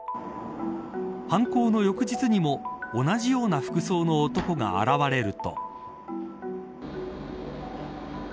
犯行の翌日にも同じような服装の男が現れると。